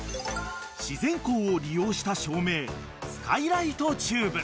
［自然光を利用した照明スカイライトチューブ］